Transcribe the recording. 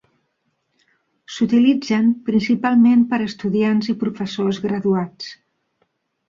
S'utilitzen principalment per estudiants i professors graduats.